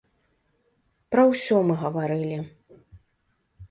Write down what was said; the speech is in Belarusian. Пра ўсё мы гаварылі.